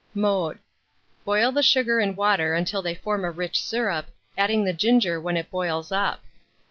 Mode. Boil the sugar and water until they form a rich syrup, adding the ginger when it boils up.